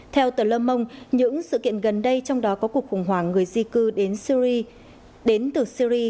theo tờ le monde những sự kiện gần đây trong đó có cuộc khủng hoảng người di cư đến từ syri